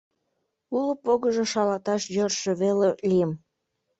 Уло погыжо шалаташ йӧршӧ веле лийым.